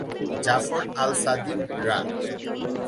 Zafar al-Sadiq রা।